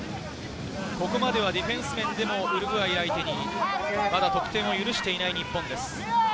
ここまではディフェンス面でもウルグアイ相手にまだ得点を許していない日本です。